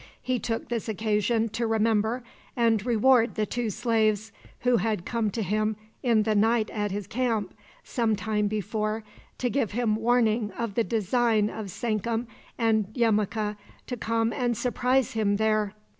He took this occasion to remember and reward the two slaves who had come to him in the night at his camp, some time before, to give him warning of the design of Sankum and Yemuka to come and surprise him there.